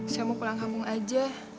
saya mau pulang kampung aja